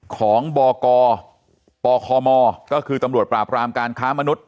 ของบกปคมก็คือตำรวจปราบรามการค้ามนุษย